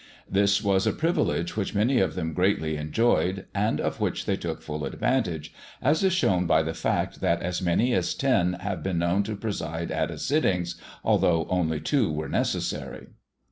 This was a privilege which many of them greatly enjoyed and of which they took full advantage, as is shown by the fact that as many as ten have been known to preside at a sittings, although only two were necessary.